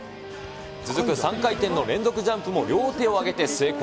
続く３回転の連続ジャンプも両手を上げて成功。